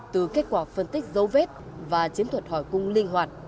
từ kết quả phân tích dấu vết và chiến thuật hỏi cung linh hoạt